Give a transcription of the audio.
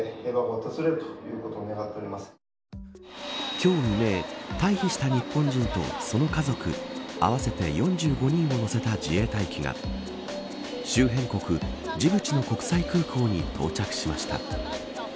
今日未明退避した日本人とその家族合わせて４５人を乗せた自衛隊機が周辺国ジブチの国際空港に到着しました。